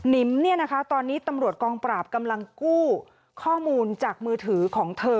นิมตอนนี้ตำรวจกองปราบกำลังกู้ข้อมูลจากมือถือของเธอ